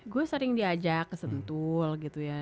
gue sering diajak ke sentul gitu ya